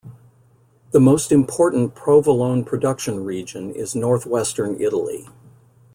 The most important provolone production region is Northwestern Italy.